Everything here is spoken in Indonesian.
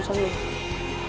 bukan urusan lo